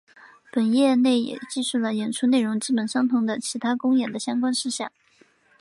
本页内也记述了演出内容基本相同的其他公演的相关事项。